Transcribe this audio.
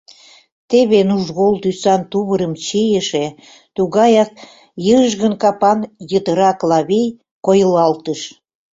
Теве нужгол тӱсан тувырым чийыше, тугаяк йыжгын капан йытыра Клавий койылалтыш.